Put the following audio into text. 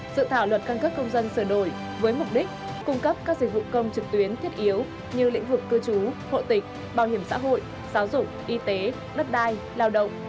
dự thảo luật cân cước công dân sửa đổi với mục đích cung cấp các dịch vụ công trực tuyến thiết yếu như lĩnh vực cư trú hộ tịch bảo hiểm xã hội giáo dục y tế đất đai lao động